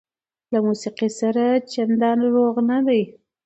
له موسقۍ سره چنديان روغ نه دي